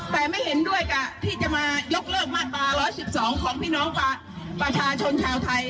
แต่ไม่เห็นด้วยกับที่จะมายกเลิกมาตรา๑๑๒ของพี่น้องประชาชนชาวไทย